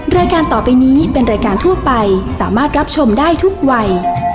รายการต่อไปนี้เป็นรายการทั่วไปสามารถรับชมได้ทุกวัย